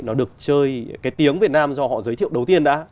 nó được chơi cái tiếng việt nam do họ giới thiệu đầu tiên đã